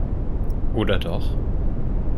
Oder doch?